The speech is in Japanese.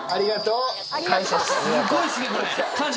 すごいっすねこれ！感謝！